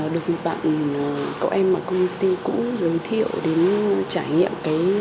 được một bạn cậu em ở công ty cũng giới thiệu đến trải nghiệm